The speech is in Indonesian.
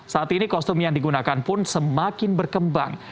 saat ini kostum yang digunakan pun semakin berkembang